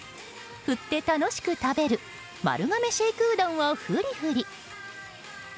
振って楽しく食べる丸亀シェイクうどんをフリフリ。